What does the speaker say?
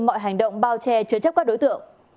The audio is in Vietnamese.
mọi hành động bao che chứa chấp các đối tượng